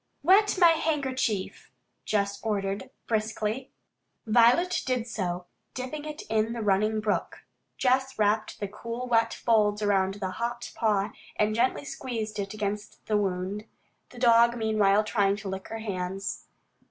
"Wet my handkerchief," Jess ordered briskly. Violet did so, dipping it in the running brook. Jess wrapped the cool, wet folds around the hot paw, and gently squeezed it against the wound, the dog meanwhile trying to lick her hands.